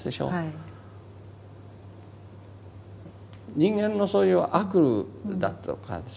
人間のそういう悪だとかですね